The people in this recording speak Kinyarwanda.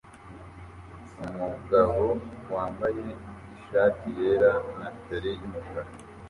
Umugabo wambaye ishati yera na feri yumukara